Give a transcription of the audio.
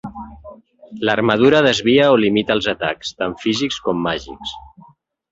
L'armadura desvia o limita els atacs, tant físics com màgics.